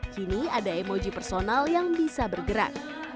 kini ada emoji personal yang bisa bergerak